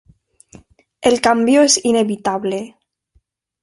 El cambio es inevitable.